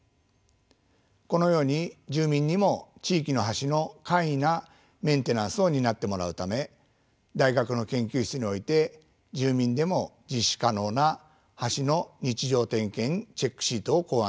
このように住民にも地域の橋の簡易なメンテナンスを担ってもらうため大学の研究室において住民でも実施可能な橋の日常点検チェックシートを考案しました。